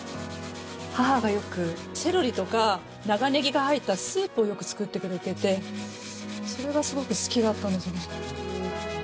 母がよくセロリとか長ネギが入ったスープをよく作ってくれててそれがすごく好きだったんですよね。